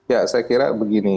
ya saya kira begini